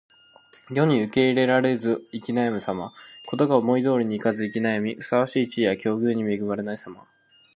世に受け入れられず行き悩むさま。事が思い通りにいかず行き悩み、ふさわしい地位や境遇に恵まれないさま。